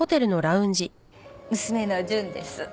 娘の純です。